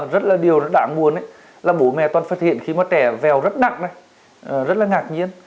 rất là điều rất đáng buồn là bố mẹ toàn phát hiện khi mà trẻ vẹo rất đặn rất là ngạc nhiên